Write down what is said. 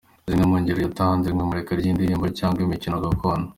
Zimwe mu ngero yatanze ni imurika ry’imbyino cyangwa imikino gakondo.